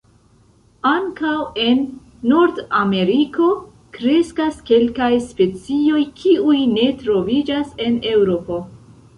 Ankaŭ en Nord-Ameriko kreskas kelkaj specioj kiuj ne troviĝas en Eŭropo.